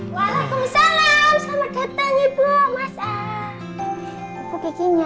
waalaikumsalam selamat datang ibu mas al